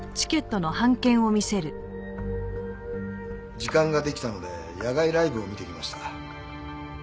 時間ができたので野外ライブを見てきました。